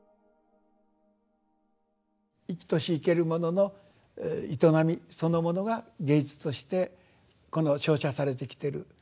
生きとし生けるものの営みそのものが芸術としてこの照射されてきてる。